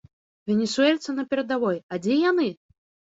Венесуэльцы на перадавой, а дзе яны?